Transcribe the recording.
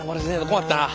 困ったな。